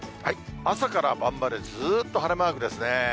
朝から晩までずっと晴れマークですね。